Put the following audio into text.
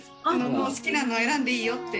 もう好きなの選んでいいよって。